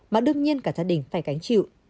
mà đương nhiên cả gia đình phải gánh chịu